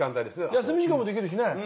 休み時間もできるしね！